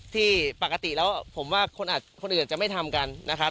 ที่ปกติแล้วผมว่าคนอื่นจะไม่ทำกันนะครับ